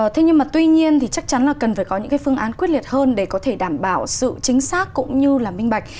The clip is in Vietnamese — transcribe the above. thế nhưng mà tuy nhiên thì chắc chắn là cần phải có những phương án quyết liệt hơn để có thể đảm bảo sự chính xác cũng như là minh bạch